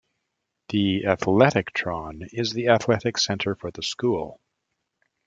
The "Athletictron" is the athletic center for the school.